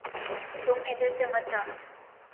تم ادھر سے مت جانا